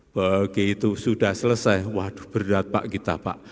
begitu sudah selesai waduh berdapat kita pak